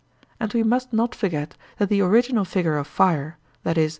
And we must not forget that the original figure of fire (i.e.